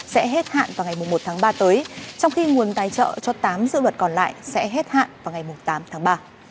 sẽ hết hạn vào ngày một tháng ba tới trong khi nguồn tài trợ cho tám dự luật còn lại sẽ hết hạn vào ngày tám tháng ba